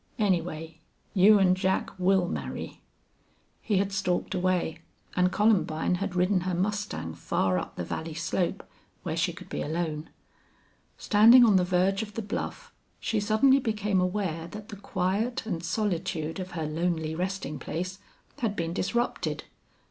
Anyway, you an' Jack will marry." He had stalked away and Columbine had ridden her mustang far up the valley slope where she could be alone. Standing on the verge of the bluff, she suddenly became aware that the quiet and solitude of her lonely resting place had been disrupted.